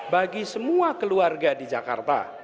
bagi semua keluarga di jakarta